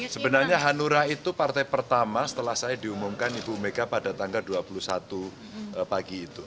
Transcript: sebenarnya hanura itu partai pertama setelah saya diumumkan ibu mega pada tanggal dua puluh satu pagi itu